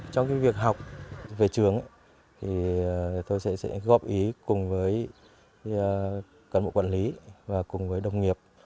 trong việc học về trường tôi sẽ góp ý cùng với cán bộ quản lý và cùng với đồng nghiệp